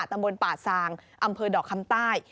ตำบลป่าซางอำเภอดอกคำใต้